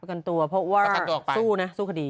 ประกันตัวเพราะว่าประกันตัวออกไปสู้นะสู้คดี